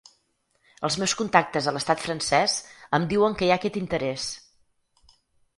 Els meus contactes a l’estat francès em diuen que hi ha aquest interès.